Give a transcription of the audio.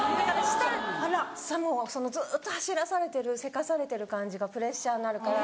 もうそのずっと走らされてるせかされてる感じがプレッシャーになるから。